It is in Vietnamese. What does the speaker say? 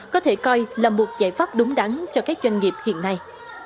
có thể coi là một giải pháp đúng đắn cho các doanh nghiệp hiện nay